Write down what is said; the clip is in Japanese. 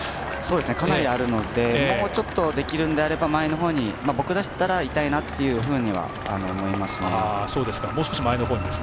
かなりあるのでもうちょっと、できるのであれば前のほうに、僕だったらいたいなというふうに思います。